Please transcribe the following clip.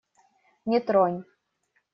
Не тронь!